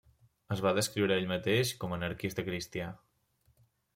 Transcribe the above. Es va descriure a ell mateix com anarquista cristià.